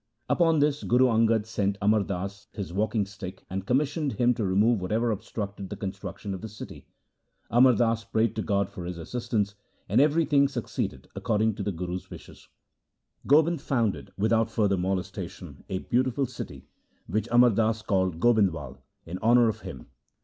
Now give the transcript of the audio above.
Upon this Guru Angad sent Amar Das his walking stick and commissioned him to remove whatever obstructed the construction of the city. Amar Das prayed to God for His assistance, and everything succeeded according to the Guru's wishes. Gobind founded without further molestation a beautiful city, which Amar Das called Gobindwal in honour of him.